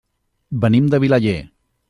Venim de Vilaller.